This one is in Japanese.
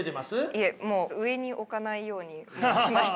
いえもう上に置かないようにしました。